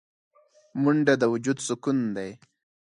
منډه د وجود سکون دی